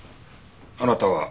あなたは？